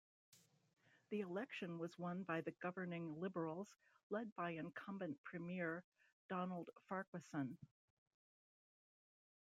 The election was won by the governing Liberals, led by incumbent Premier Donald Farquharson.